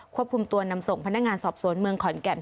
ควบคุมตัวนำส่งพนักงานสอบสวนเมืองขอนแก่น